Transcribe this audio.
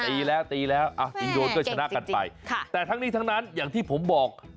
ตีแล้วตีแล้วอ่ะถึงโดนก็ชนะกันไปค่ะแต่ทั้งนี้ทั้งนั้นอย่างที่ผมบอก